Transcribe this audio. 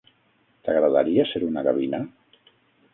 T'agradaria ser una gavina?